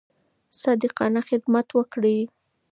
صادقانه خدمت وکړئ.